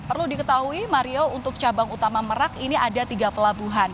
perlu diketahui mario untuk cabang utama merak ini ada tiga pelabuhan